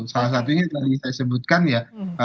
salah satunya tadi saya sebutkan ya